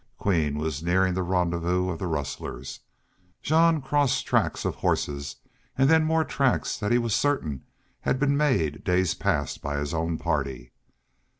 Queen was nearing the rendezvous of the rustlers. Jean crossed tracks of horses, and then more tracks that he was certain had been made days past by his own party.